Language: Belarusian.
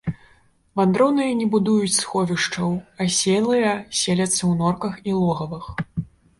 Вандроўныя не будуюць сховішчаў, аселыя селяцца ў норках і логавах.